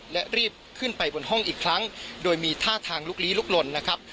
และรีบขึ้นไปบนห้องอีกครั้งโดยมีท่าทางลุกลี้ลุกลนนะครับ